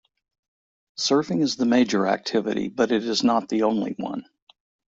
Surfing is the major activity but it is not the only one.